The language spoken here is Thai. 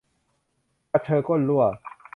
กระเชอก้นรั่ว